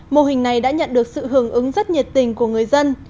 mô hình này đã nhận được sự hưởng ứng rất nhiệt tình của người dân